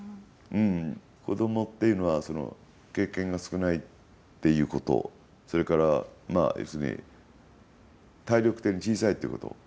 子どもっていうのは経験が少ないっていうことそれから、要するに体力的に小さいっていうこと。